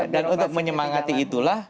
dan untuk menyemangati itulah